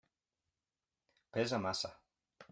Pesa massa.